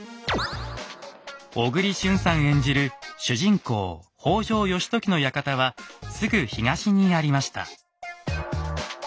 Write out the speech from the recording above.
小栗旬さん演じる主人公・北条義時の館はすぐ東にありました。